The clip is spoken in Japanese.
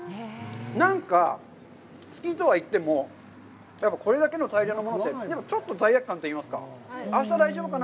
なんか、好きとは言っても、やっぱりこれだけの大量のものって、でも、ちょっと、罪悪感といいますか、あした大丈夫かな？